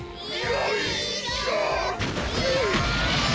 よいしょ！